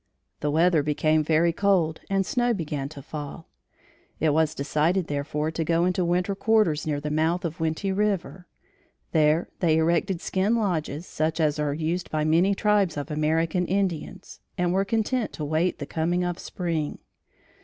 The weather became very cold and snow began to fall. It was decided, therefore, to go into winter quarters near the mouth of Winty River. There they erected skin lodges, such as are used by many tribes of American Indians, and were content to wait the coming of spring.